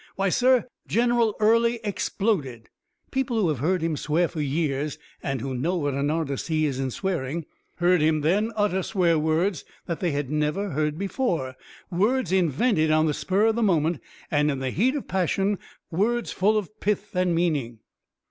Why, sir, General Early exploded. People who have heard him swear for years and who know what an artist he is in swearing, heard him then utter swear words that they had never heard before, words invented on the spur of the moment, and in the heat of passion, words full of pith and meaning."